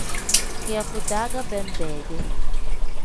Kiyaku-daa ge benbeedi.